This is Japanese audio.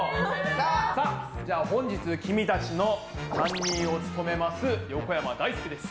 さあじゃ本日君たちの担任を務めます横山だいすけです。